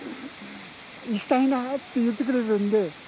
行きたいなって言ってくれるんで。